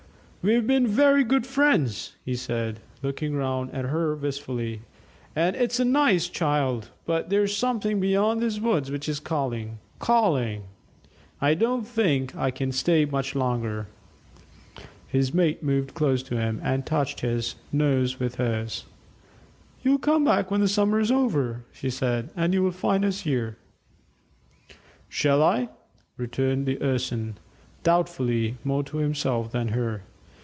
"We've been very good friends," he said, looking round at her wistfully, "and it's a nice child; but there's something beyond these woods which is calling calling. I don't think that I can stay much longer." His mate moved close to him and touched his, nose with hers. "You'll come back when the summer is over," she said, "and you will find us here." "Shall I?" returned the Urson, doubtfully, more to himself than her.